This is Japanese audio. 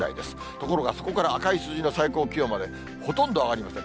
ところがそこから赤い数字の最高気温まで、ほとんど上がりません。